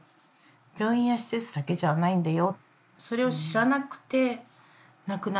病院や施設だけじゃないんだよ。